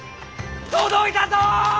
届いたぞ！